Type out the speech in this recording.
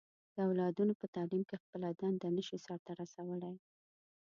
د اولادونو په تعليم کې خپله دنده نه شي سرته رسولی.